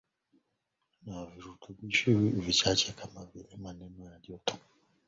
na virutubishi vichache kama vile maeneo ya joto ikisababisha